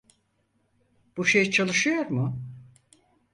Bu şey çalışıyor mu?